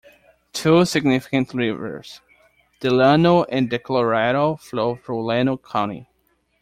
Two significant rivers, the Llano and the Colorado, flow through Llano County.